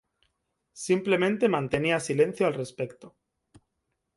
Simplemente mantenía silencio al respecto.